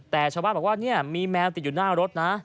แต่ชาวบ้านบอกว่าเนี่ยมีแมวติดอยู่หน้ารถนะ